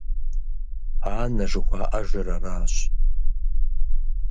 Анэ жыхуаӀэжыр аращ!